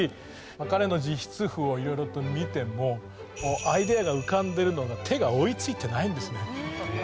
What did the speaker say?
彼の自筆譜を色々と見てもアイデアが浮かんでるのが手が追いついてないんですね。